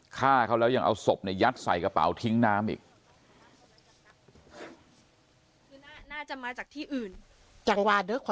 ฆ่าเขาแล้วยังเอาศพเนี่ยยัดใส่กระเป๋าทิ้งน้ำอีก